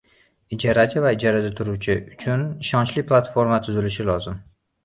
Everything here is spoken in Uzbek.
Ijarachi va ijarada turuvchi uchun ishonchli platforma tuzlishi lozim.